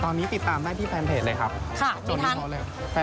ตอนนี้ติดตามได้ที่แฟนเพจเลยครับโจมตีเท่าไหร่